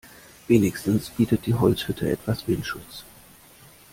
Wenigstens bietet die Holzhütte etwas Windschutz.